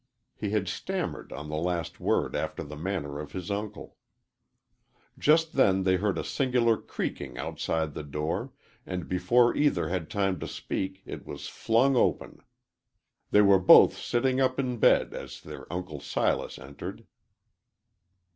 He had stammered on the last word after the manner of his uncle. Just then they heard a singular creaking outside the door, and before either had time to speak it was flung open. They were both sitting up in bed as their Uncle Silas entered.